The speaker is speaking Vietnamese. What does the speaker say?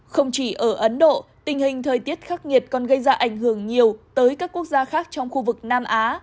không chỉ ở ấn độ tình hình thời tiết khắc nghiệt còn gây ra ảnh hưởng nhiều tới các quốc gia khác trong khu vực nam á